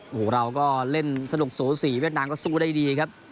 โอ้โหเราก็เล่นสนุกสูสีเวียดนามก็สู้ได้ดีครับ